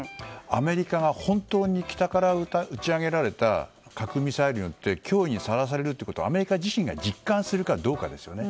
アメリカが本当に北から打ち上げられた核ミサイルによって脅威にさらされることはアメリカ自身が実感するかどうかですよね。